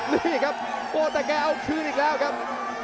นี่ครับโอ้แต่แกเอาคืนอีกแล้วครับ